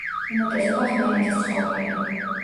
უმეტესობა ხმელეთის ცხოველია.